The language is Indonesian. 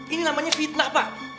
ini namanya fitnah pak